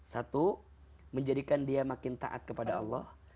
satu menjadikan dia makin taat kepada allah